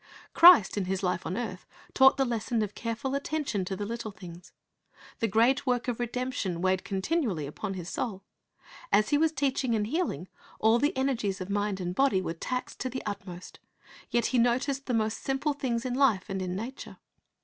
Christ in His life on earth taught the lesson of careful attention to the little things. The great work of redemption weighed continually upon His soul. As He was teaching and healing, all the energies of mind and body were taxed to the utmost; yet He noticed the most simple things in life and in nature.